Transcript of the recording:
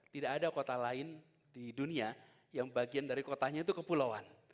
tidak ada kota lain di dunia yang bagian dari kotanya itu kepulauan